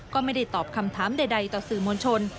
ก็ไม่ได้ตอบคำถามใดต่อสื่อมวลชน